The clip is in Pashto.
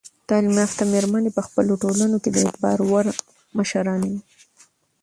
تعلیم یافته میرمنې په خپلو ټولنو کې د اعتبار وړ مشرانې وي.